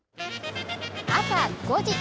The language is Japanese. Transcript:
朝５時。